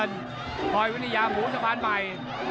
ยกที่๕ยกสุดท้าย